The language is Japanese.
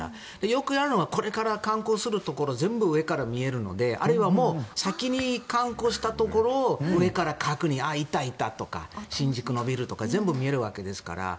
よく言われるのはこれから観光するところ全部見えるのであれはもう先に観光したところを上から確認ああ、行った、行ったとか新宿のビルとか全部見えるわけですから。